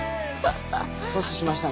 阻止しましたね